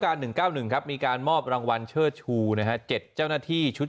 ๑๙๑ครับมีการมอบรางวัลเชิดชูนะฮะ๗เจ้าหน้าที่ชุด